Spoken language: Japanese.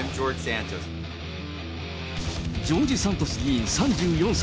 ジョージ・サントス議員３４歳。